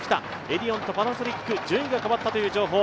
エディオンとパナソニック、順位が変わったという情報。